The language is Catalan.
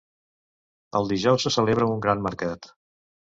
Els dijous se celebra un gran mercat.